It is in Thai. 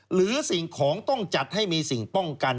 หรือสิ่งของต้องจัดให้มีสิ่งป้องกัน